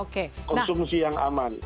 konsumsi yang aman